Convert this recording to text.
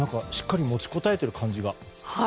しっかり持ちこたえる感じが。